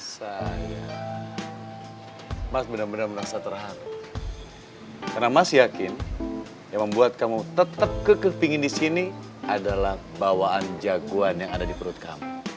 sayang mas bener bener merasa terhati karena mas yakin yang membuat kamu tetap kekepingin di sini adalah bawaan jagoan yang ada di perut kamu